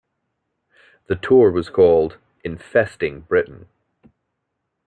The tour was called 'Infesting Britain'.